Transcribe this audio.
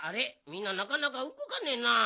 みんななかなかうごかねえな。